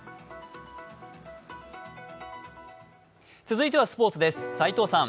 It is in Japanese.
続いてはスポーツです。